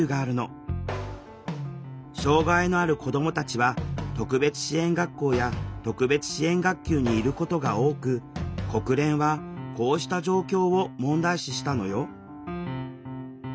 障害のある子どもたちは特別支援学校や特別支援学級にいることが多く国連はこうした状況を問題視したのよ